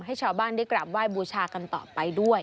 ให้ชาวบ้านได้กราบไหว้บูชากันต่อไปด้วย